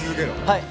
はい。